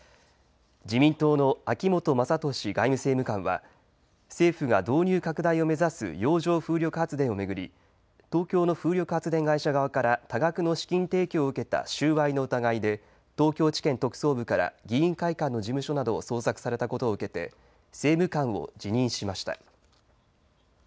自民党の秋本真利外務政務官は政府が導入拡大を目指す洋上風力発電を巡り東京の風力発電会社側から多額の資金提供を受けた収賄の疑いで東京地検特捜部から議員会館の事務所などを捜索されたことを受けて政務官を辞任しました。